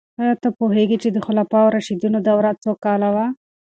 آیا ته پوهیږې چې د خلفای راشدینو دوره څو کاله وه؟